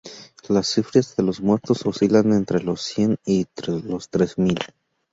Las cifras de muertos oscilan entre los cien y los tres mil.